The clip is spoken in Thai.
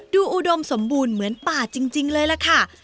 อุดมสมบูรณ์เหมือนป่าจริงเลยล่ะค่ะ